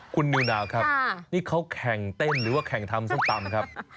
คุณนิวนาวครับนี่เขาแข่งเต้นหรือว่าแข่งทำส้มตำครับ